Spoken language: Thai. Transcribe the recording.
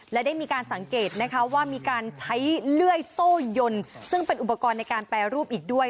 และได้มีการสังเกตนะคะว่ามีการใช้เลื่อยโซ่ยนซึ่งเป็นอุปกรณ์ในการแปรรูปอีกด้วย